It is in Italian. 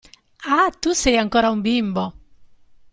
Ah, tu sei ancora un bimbo!